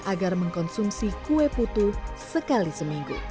agar mengkonsumsi kue putu sekali seminggu